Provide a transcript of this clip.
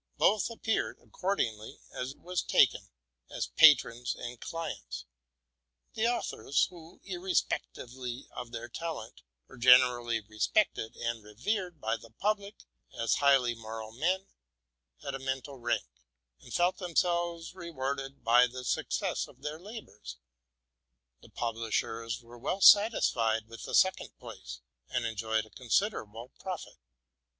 Both appeared, accordingly as it was taken, as patrons and clients, RELATING TO MY LIFE. 109 The authors, who, irrespectively of their talent, were gener ally respected and revered by the public as highly moral men, had a mental rank, and felt themselves rewarded by the success of their labors: the publishers were well satisfied with the second place, and enjoyed a considerable profit.